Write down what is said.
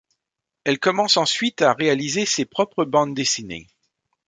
Elle commence ensuite à réaliser ses propres bandes dessinées.